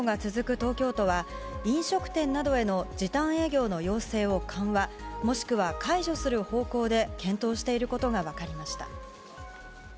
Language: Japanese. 東京都は飲食店などへの時短営業の要請を緩和、もしくは解除する方向で検討していることが分かりました。